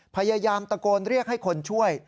พยายามตะโกนเรียกให้คนช่วย